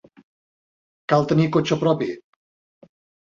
Cal tenir cotxe propi.